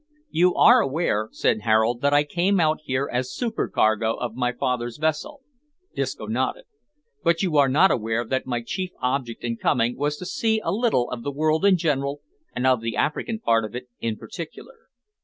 "You are aware," said Harold, "that I came out here as supercargo of my father's vessel," (Disco nodded), "but you are not aware that my chief object in coming was to see a little of the world in general, and of the African part of it in particular.